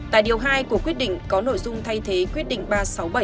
tại điều hai của quyết định có nội dung thay thế quyết định ba trăm sáu mươi bảy